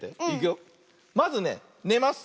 まずねねます。